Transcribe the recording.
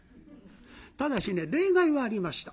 ただしね例外はありました。